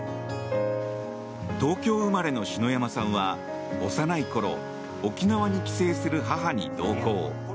東京生まれの篠山さんは幼いころ沖縄に帰省する母に同行。